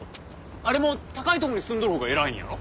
あれも高いとこに住んどるほうが偉いんやろ？